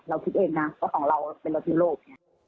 เราคิดเองนะเพราะของเราเป็นรถยนต์โลก